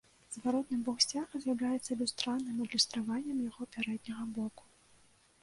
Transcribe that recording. Зваротны бок сцяга з'яўляецца люстраным адлюстраваннем яго пярэдняга боку.